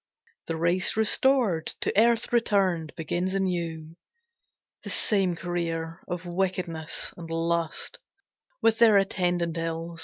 The race restored, to earth returned, begins anew The same career of wickedness and lust, With their attendant ills.